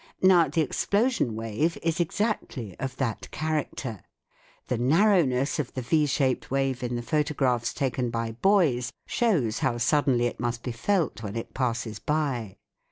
Now the explosion wave is exactly of that character. The narrowness of the V shaped wave in the photographs taken by Boys shows how suddenly it must be felt when it passes by.